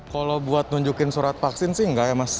kalau buat nunjukin surat vaksin sih enggak ya mas